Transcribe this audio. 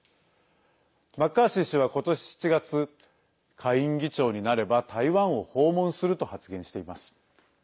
マッカーシー氏は今年７月下院議長になれば台湾を訪問すると発言しています。